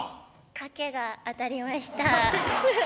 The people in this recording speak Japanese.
賭けが当たりました。